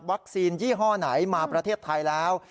ยี่ห้อไหนมาประเทศไทยแล้ว